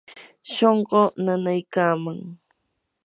shunquu nanaykaman.